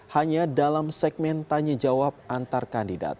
hanya dalam segmen tanya jawab antar kandidat